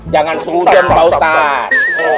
jangan selujen pak ustaz